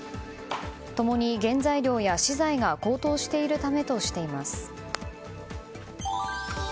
共に原材料や資材が高騰しているためとしています。